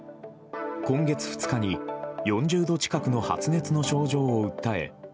今月２日に４０度近くの発熱の症状を訴え